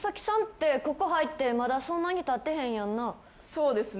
そうですね。